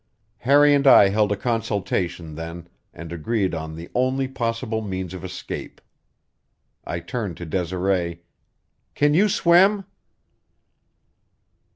Harry and I held a consultation then and agreed on the only possible means of escape. I turned to Desiree: "Can you swim?"